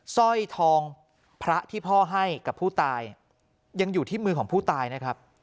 สร้อยทองพระที่พ่อให้กับผู้ตายยังอยู่ที่มือของผู้ตายนะครับ